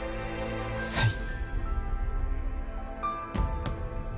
はい。